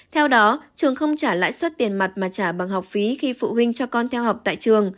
theo đó trường không trả lãi suất tiền mặt mà trả bằng học phí khi phụ huynh cho con theo học tại trường